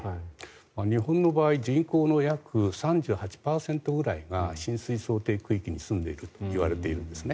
日本の場合人口の約３８％ぐらいが浸水想定区域に住んでいるといわれているんですね。